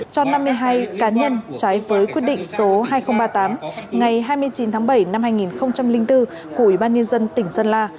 cho năm mươi hai cá nhân trái với quyết định số hai nghìn ba mươi tám ngày hai mươi chín tháng bảy năm hai nghìn bốn của ủy ban nhân dân tỉnh sơn la